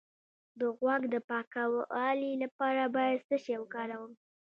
د غوږ د پاکوالي لپاره باید څه شی وکاروم؟